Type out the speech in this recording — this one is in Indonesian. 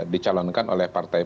dicalonkan oleh partai